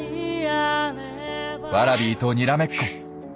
ワラビーとにらめっこ。